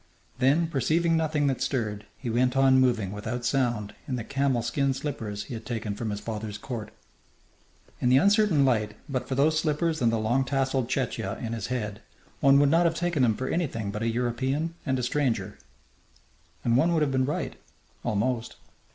Then, perceiving nothing that stirred, he went on moving without sound in the camel skin slippers he had taken from his father's court. In the uncertain light, but for those slippers and the long tasselled chechia on his head, one would not have taken him for anything but a European and a stranger. And one would have been right, almost.